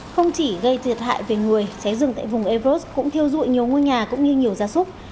không chỉ gây thiệt hại về người cháy rừng tại vùng eros cũng thiêu dụi nhiều ngôi nhà cũng như nhiều gia súc